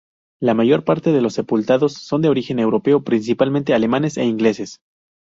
La mayor parte de los sepultados son de origen europeo, principalmente alemanes e ingleses.